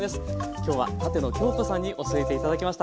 今日は舘野鏡子さんに教えて頂きました。